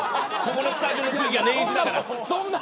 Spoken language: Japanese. このスタジオの空気が年いちだから。